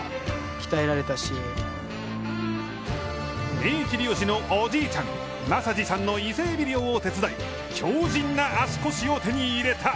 現役漁師のおじいちゃん、正二さんの伊勢エビ漁を手伝い強靱な足腰を手に入れた！